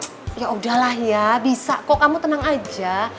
hmm yaudahlah ya bisa kok kamu tenang aja